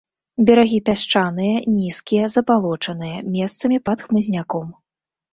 Берагі пясчаныя, нізкія, забалочаныя, месцамі пад хмызняком.